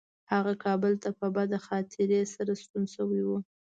هغه کابل ته په بده خاطرې سره ستون شوی و.